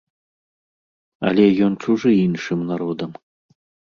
Але ён чужы іншым народам.